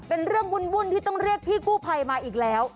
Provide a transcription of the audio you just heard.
เป็นเรื่องวุ่นที่ต้องเรียกพี่กู้ภัยมาอีกแล้ว